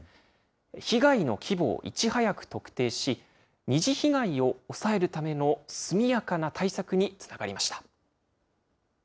被害の規模をいち早く特定し、二次被害を抑えるための速やかな対策につながりました。